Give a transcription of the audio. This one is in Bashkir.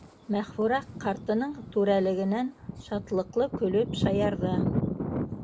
— Мәғфүрә ҡартының түрәлегенән шатлыҡлы көлөп шаярҙы.